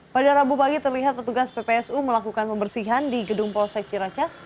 pada rabu pagi terlihat petugas ppsu melakukan pembersihan di gedung polsek ciracas